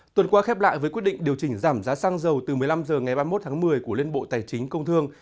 tuần qua khép lại với quyết định điều chỉnh giảm giá xăng dầu từ một mươi năm h ngày ba mươi một tháng một mươi của liên bộ tài chính công thương